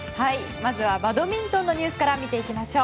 まずはバドミントンのニュースから見ていきましょう。